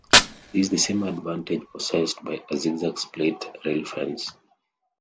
This is the same advantage possessed by a zig-zag split rail fence.